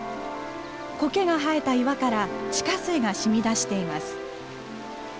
コケが生えた岩から地下水がしみ出しています。